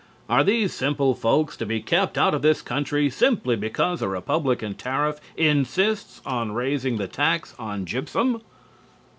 Are these simple folk to be kept out of this country simply because a Republican tariff insists on raising the tax on gypsum?